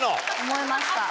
思いました。